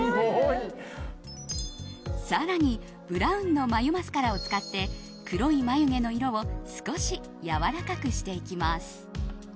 更にブラウンの眉マスカラを使って黒い眉毛の色を少しやわらかくしていきます。